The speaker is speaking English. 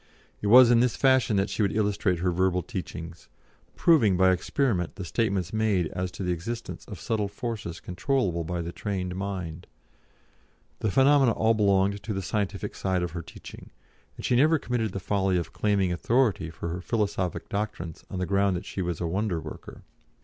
It was in this fashion that she would illustrate her verbal teachings, proving by experiment the statements made as to the existence of subtle forces controllable by the trained mind. The phenomena all belonged to the scientific side of her teaching, and she never committed the folly of claiming authority for her philosophic doctrines on the ground that she was a wonder worker.